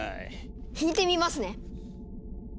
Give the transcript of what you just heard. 弾いてみますね。